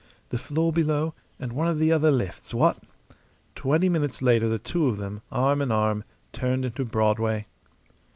"The floor below, and one of the other lifts, what?" Twenty minutes later the two of them, arm in arm, turned into Broadway.